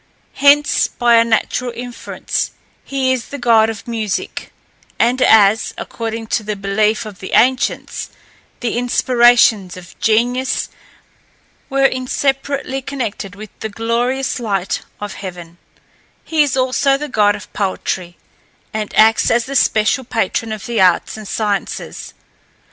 Hence, by a natural inference, he is the god of music, and as, according to the belief of the ancients, the inspirations of genius were inseparably connected with the glorious light of heaven, he is also the god of poetry, and acts as the special patron of the arts and sciences.